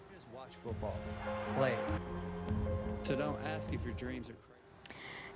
ketika itu kemungkinan untuk mencari kemampuan untuk mencari kemampuan untuk mencari kemampuan untuk mencari kemampuan